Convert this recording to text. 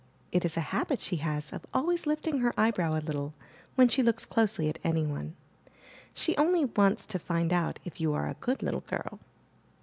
It is a habit she has of always Hfting her eyebrow a little when she looks closely at anyone. She only wants to find out if you are a good little girl.